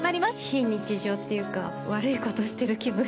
非日常っていうか悪いことしてる気分。